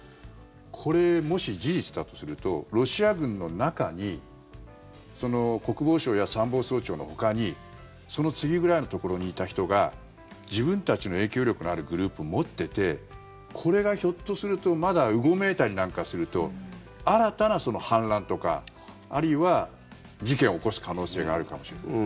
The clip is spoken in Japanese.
これ、もし事実だとするとロシア軍の中に国防相や参謀総長のほかにその次くらいのところにいた人が自分たちの影響力のあるグループを持っていてこれがひょっとするとまだうごめいたりなんかすると新たな反乱とかあるいは事件を起こす可能性があるかもしれない。